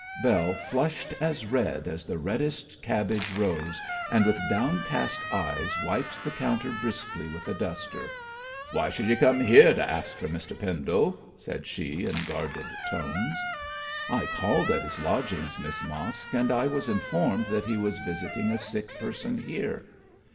Bell flushed as red as the reddest cabbage rose, and with downcast eyes wiped the counter briskly with a duster. 'Why should you come here to ask for Mr Pendle?' said she, in guarded tones. 'I called at his lodgings, Miss Mosk, and I was informed that he was visiting a sick person here.'